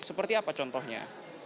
seperti apa contohnya